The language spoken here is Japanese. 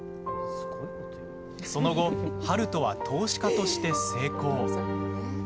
その後、悠人は投資家として成功。